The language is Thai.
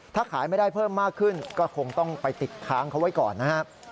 ถ้าขายไม่ได้เพิ่มมากขึ้นก็คงต้องไปติดค้างเขาไว้ก่อนนะครับ